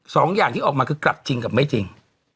สองอย่างที่ออกมาคือกลับจริงกับไม่จริง